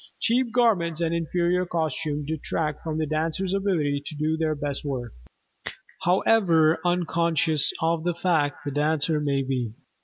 Cheap garments and inferior costumes detract from the dancer's ability to do the best work, however unconscious of this fact the dancer may be.